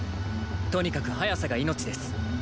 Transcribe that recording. とにかく早さが命です。